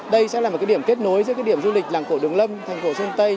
đây sẽ là một điểm kết nối giữa cái điểm du lịch làng cổ đường lâm thành phố sơn tây